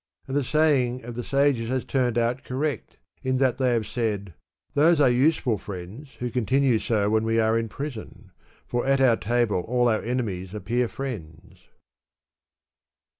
and the saying of the sages has turned out correct, in that they have said, ' Those are useful friends who continue so when we are in prison ; for at our table all our enemies appear friends.'